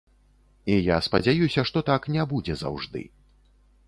І я спадзяюся, што так не будзе заўжды.